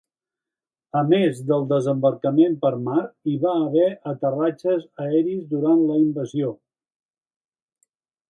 A més del desembarcament per mar, hi va haver aterratges aeris durant la invasió.